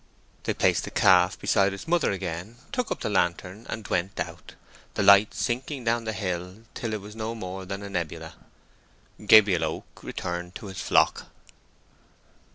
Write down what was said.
They placed the calf beside its mother again, took up the lantern, and went out, the light sinking down the hill till it was no more than a nebula. Gabriel Oak returned to his flock.